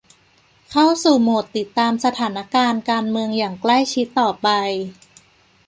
เข้าสู่โหมดติดตามสถานการณ์การเมืองอย่างใกล้ชิดต่อไป